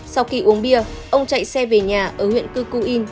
sau khi uống bia ông chạy xe về nhà ở huyện cư cu yên